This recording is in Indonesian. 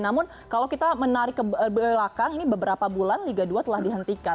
namun kalau kita menarik kebelakang ini beberapa bulan tiga duanya telah dihentikan